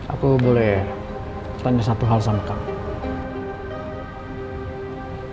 aku boleh tanya satu hal sama kamu